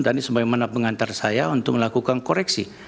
ini sebagaimana pengantar saya untuk melakukan koreksi